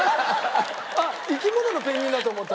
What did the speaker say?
あっ！